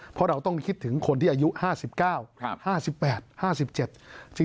เพราะเราต้องคิดถึงคนที่อายุ๕๙ไม่ใช่หรอก